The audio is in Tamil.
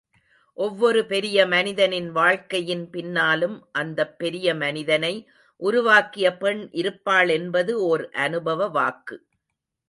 ஒவ்வொரு பெரிய மனிதனின் வாழ்க்கையின் பின்னாலும் அந்தப் பெரிய மனிதனை உருவாக்கிய பெண் இருப்பாள் என்பது ஒர் அனுபவவாக்கு.